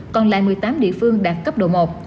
còn lại một mươi tám địa phương đạt cấp độ một